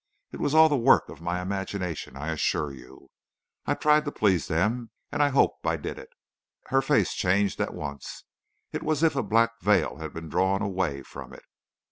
It was all the work of my imagination, I assure you. I tried to please them, and I hope I did it." Her face changed at once. It was as if a black veil had been drawn away from it.